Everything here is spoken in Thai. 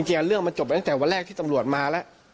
เรื่องมันจบไปตั้งแต่วันแรกที่ตำรวจมาแล้ว